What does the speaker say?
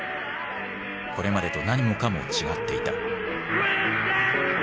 これまでと何もかも違っていた。